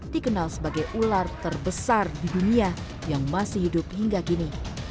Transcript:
dikenal sebagai ular terbesar di dunia yang masih hidup hingga kini